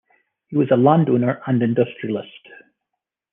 He was a landowner and industrialist.